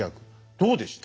どうでした？